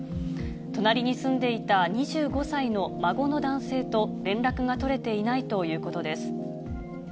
隣に住んでいた２５歳の孫の男性と連絡が取れていないということです。